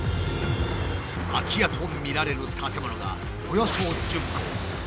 空き家とみられる建物がおよそ１０戸。